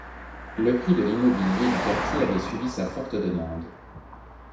Le prix de l’immobilier du quartier avait suivi sa forte demande.